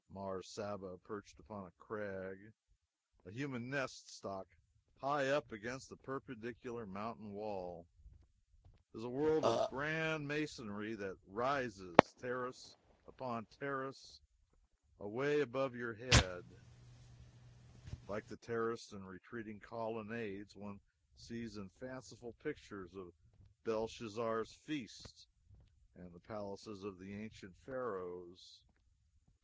Mars Saba, perched upon a crag, a human nest stuck high up against a perpendicular mountain wall, is a world of grand masonry that rises, terrace upon terrace away above your head, like the terraced and retreating colonnades one sees in fanciful pictures of Belshazzar's Feast and the palaces of the ancient Pharaohs.